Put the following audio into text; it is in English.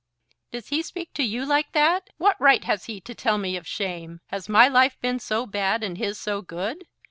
"Does he speak to you like that? What right has he to tell me of shame? Has my life been so bad, and his so good?